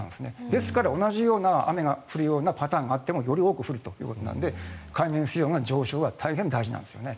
ですから、同じような雨が降るパターンがあってもより多く降るので海面水温の上昇は大変、大事なんですね。